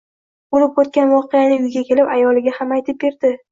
Bo`lib o`tgan voqeani uyiga kelib, ayoliga ham aytib berdi